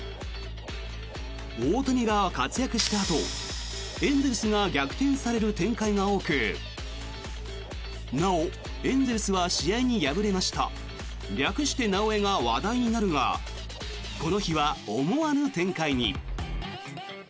大谷が活躍したあとエンゼルスが逆転される展開が多くなおエンゼルスは試合に敗れました略して「なおエ」が話題になるがこの日は思わぬ展開に。